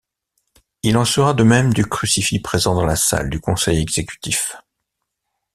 Il en sera de même du crucifix présent dans la salle du conseil exécutif.